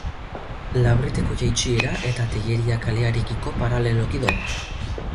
Labriteko jaitsiera eta Telleria kalearekiko paraleloki doa.